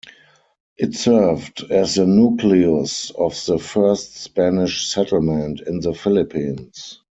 It served as the nucleus of the first Spanish settlement in the Philippines.